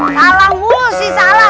salah mulu sih salah